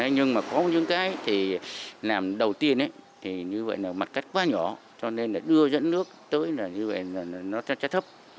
nhưng mà có những cái thì làm đầu tiên thì như vậy là mặt cắt quá nhỏ cho nên là đưa dẫn nước tới là như vậy là nó chắc chắn thấp